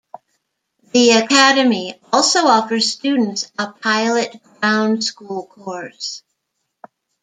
The academy also offers students a Pilot Ground School course.